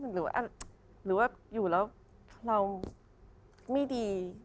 หรือว่าอยู่แล้วเราไม่ดี